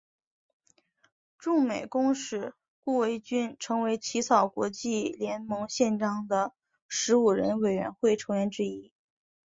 驻美公使顾维钧成为起草国际联盟宪章的十五人委员会成员之一。